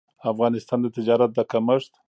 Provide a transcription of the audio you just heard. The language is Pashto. افغانستان د تجارت د کمښت